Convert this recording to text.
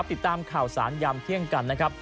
ติดตามข่าวสารยามเที่ยงกัน